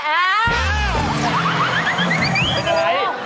ไปไหน